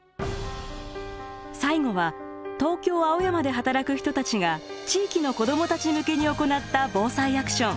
最後は東京・青山で働く人たちが地域の子どもたち向けに行った「ＢＯＳＡＩアクション」。